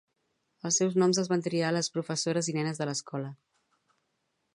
Els seus noms els van triar les professores i nenes d'escola.